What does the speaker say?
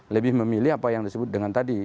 lebih memilih apa yang disebut dengan tadi